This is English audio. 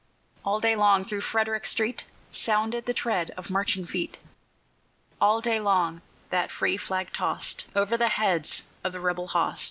All day long through Frederick street Sounded the tread of marching feet: All day long that free flag tost Over the heads of the rebel host.